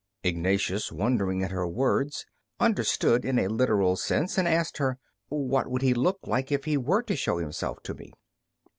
Ignatius, wondering at her words, understood in a literal sense, and asked her, "What would He look like if He were to show Himself to me?"